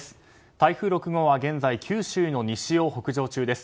台風６号は現在九州の西を北上中です。